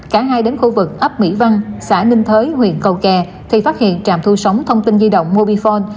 cả hai đến khu vực ấp mỹ văn xã ninh thới huyện cầu kè thì phát hiện trạm thu sóng thông tin di động mobifone